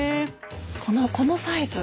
このサイズ。